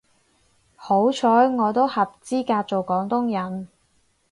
好彩我都合資格做廣東人